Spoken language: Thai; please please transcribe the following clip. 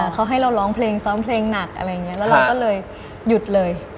เขาให้เราร้องเพลงซ้อมเพลงหนักอะไรอย่างนี้แล้วเราก็เลยหยุดเลย